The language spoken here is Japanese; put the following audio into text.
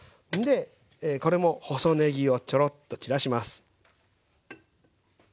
これも細ねぎをちょろっと散らします。